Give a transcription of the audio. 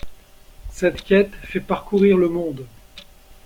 Cette quête fait parcourir le monde.